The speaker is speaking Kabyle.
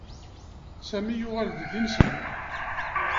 Sami yuɣal-d d ineslem.